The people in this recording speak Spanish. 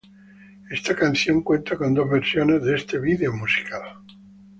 Esta canción, cuenta con dos versiones de este video musical.